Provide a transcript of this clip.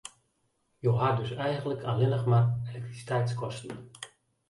Jo ha dus eigenlik allinne mar elektrisiteitskosten.